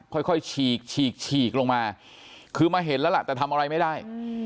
ค่อยฉีกฉีกฉีกลงมาคือมาเห็นแล้วล่ะแต่ทำอะไรไม่ได้